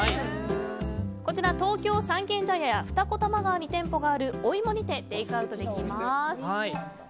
こちら、東京・三軒茶屋や二子玉川に店舗がある、ＯＩＭＯにてテイクアウトできます。